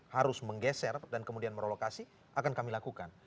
harus menggeser dan kemudian merolokasi akan kami lakukan